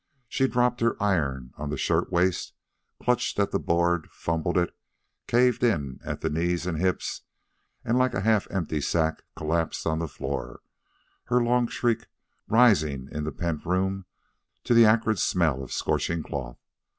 She dropped her iron on the shirtwaist, clutched at the board, fumbled it, caved in at the knees and hips, and like a half empty sack collapsed on the floor, her long shriek rising in the pent room to the acrid smell of scorching cloth.